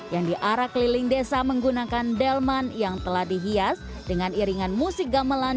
yang diarah keliling desa menggunakan delman yang telah dihias dengan iringan musik gamelan